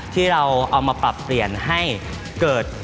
ที่เราเอามาปรับเปลี่ยนให้เกิด